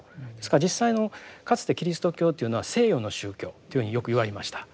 実際のかつてキリスト教というのは西洋の宗教というふうによく言われました。